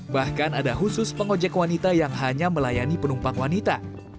bahkan ada khusus pengojek wanita yang hanya melayani penumpang wanita